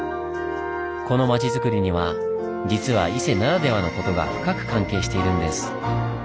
この町づくりには実は伊勢ならではのことが深く関係しているんです。